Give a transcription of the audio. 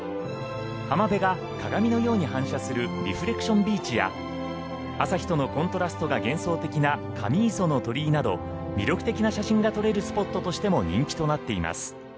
浜辺が鏡のように反射するリフレクションビーチや朝日とのコントラストが幻想的な神磯の鳥居など魅力的な写真が撮れるスポットとしても人気になっています。